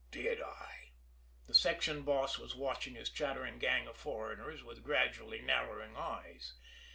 "Did I?" the section boss was watching his chattering gang of foreigners with gradually narrowing eyes.